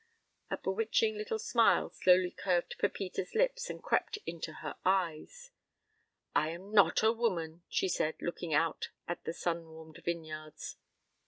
A bewitching little smile slowly curved Pepita's lips and crept into her eyes. "I am not a woman," she said, looking out at the sun warmed vineyards.